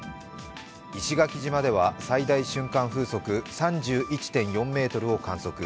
石垣島では最大瞬間風速３１．４メートルを観測。